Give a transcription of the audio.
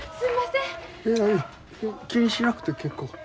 いやいや気にしなくて結構。